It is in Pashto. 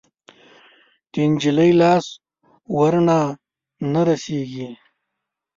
د نجلۍ لاس ورڼا نه رسیږي